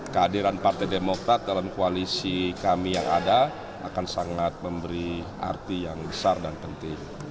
kehadiran partai demokrat dalam koalisi kami yang ada akan sangat memberi arti yang besar dan penting